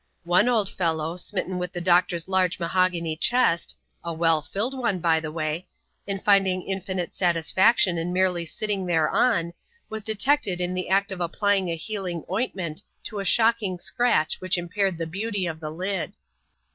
One old fellow, smitten with the doctor's large mahogany chest (a well filled one, by the by), and finding infinite satisfaction in merely sitting thereon, was detected in the act of applying a heft^^"g ointment to a shocking scratch which impaired the beauty of the lid.